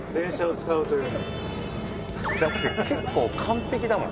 だって結構完璧だもん。